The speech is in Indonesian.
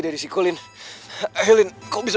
terima kasih alina